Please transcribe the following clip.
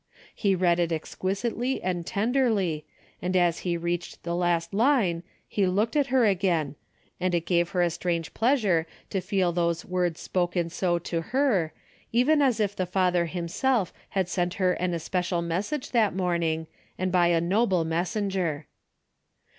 He read it exquisitely and tenderly, and as he reached the last line he looked at her again, and it gave her a strange pleasure to feel those words spoken so to her, even as if the Father himself had sent her an especial message that morn ing, and by a noble messenger.